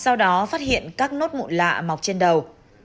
sau đó phát hiện các nốt mụn lạ mọc trên đầu